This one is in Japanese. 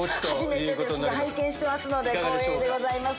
初めてですが拝見してますので光栄でございます